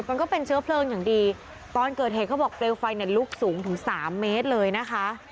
มันก็เป็นเชื้อเพลิงอย่างดีตอนเกิดเหตุเขาบอกเปลวไฟเนี่ยลุกสูงถึงสามเมตรเลยนะคะ